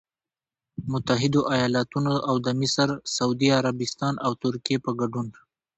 متحدوایالتونو او د مصر، سعودي عربستان او ترکیې په ګډون